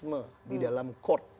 ada mekanisme di dalam court